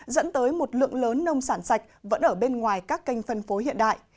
dẫn tới một lượng lớn nông sản sạch vẫn ở bên ngoài các kênh phân phối hiện đại